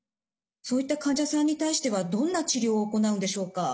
そういった患者さんに対してはどんな治療を行うんでしょうか？